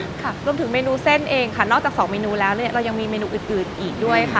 ค่ะรวมถึงเมนูเส้นเองค่ะนอกจากสองเมนูแล้วเนี่ยเรายังมีเมนูอื่นอื่นอีกด้วยค่ะ